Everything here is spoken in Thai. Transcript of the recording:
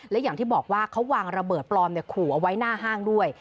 และอย่างที่บอกว่าเขาวางระเบิดปลอมขู่เอาไว้หน้าห้างด้วย